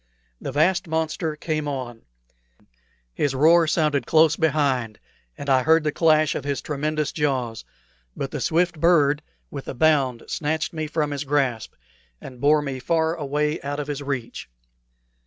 The vast monster came on. His roar sounded close behind, and I heard the clash of his tremendous jaws; but the swift bird with a bound snatched me from his grasp, and bore me far away out of his reach.